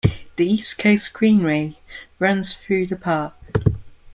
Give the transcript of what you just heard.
The East Coast Greenway runs through the park.